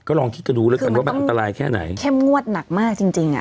ลองคิดกันดูแล้วกันว่ามันอันตรายแค่ไหนเข้มงวดหนักมากจริงจริงอ่ะ